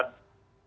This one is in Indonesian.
keamanan di sana